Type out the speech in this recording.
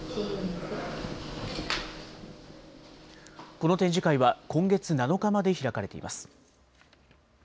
この展示会は今月７日まで開かれています。